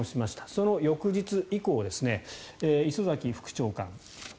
その翌日以降、磯崎副長官。